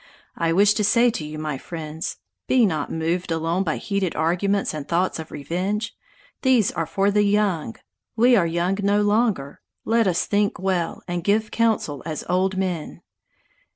I wish to say to you, my friends: Be not moved alone by heated arguments and thoughts of revenge! These are for the young. We are young no longer; let us think well, and give counsel as old men!"